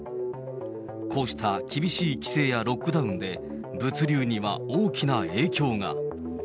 こうした厳しい規制やロックダウンで、物流には大きな影響が。